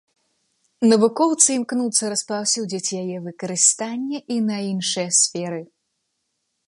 Навукоўцы імкнуцца распаўсюдзіць яе выкарыстанне і на іншыя сферы.